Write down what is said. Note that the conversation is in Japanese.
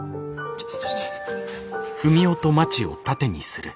ちょっと。